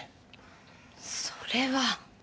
それは。